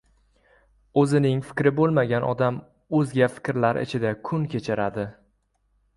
O‘zining fikri bo‘lmagan odam o‘zga fikrlar ichida kun kechiradi.